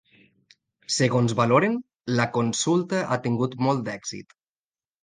Segons valoren, la consulta ha tingut molt d’èxit.